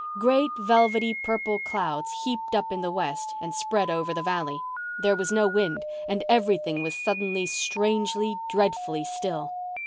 Great, velvety, purple clouds heaped up in the west and spread over the valley. There was no wind and everything was suddenly, strangely, dreadfully still.